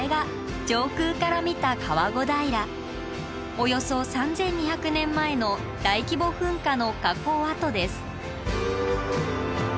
およそ３，２００年前の大規模噴火の火口跡です。